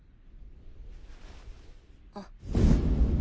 あっ。